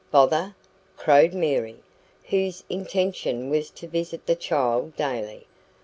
"Bother!" crowed Mary, whose intention was to visit the child daily.